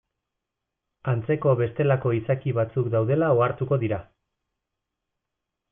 Antzeko bestelako izaki batzuk daudela ohartuko dira.